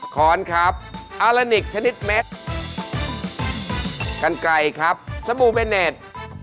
ขอนครับอารานิกชนิดเม็ดกันไกลครับสบู่เมเน็ต